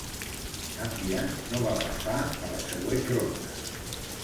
Gàmbia no va passar a la següent ronda.